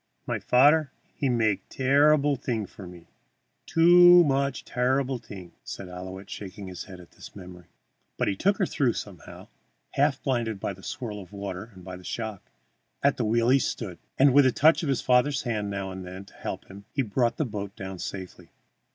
"My fadder he make terreeble thing for me too much terreeble thing," said Ouillette, shaking his head at the memory. But he took her through somehow, half blinded by the swirl of water and the shock. At the wheel he stood, and with a touch of his father's hand now and then to help him, he brought the boat down safely.